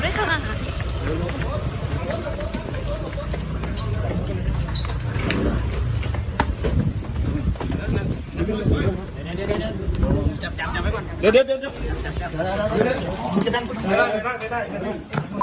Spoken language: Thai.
อ่าจากการสอบเนี่ยเพราะว่ามีนะแต่ว่าตอนเวลาตรวจสอบได้ไม่เป็น